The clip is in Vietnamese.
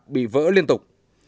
bị vỡ liên tục